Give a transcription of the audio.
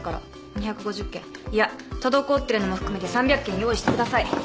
２５０件いや滞ってるのも含めて３００件用意してください。